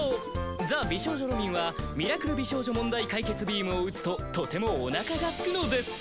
ザ・美少女ロミンはミラクル美少女問題解決ビームを撃つととてもおなかがすくのです。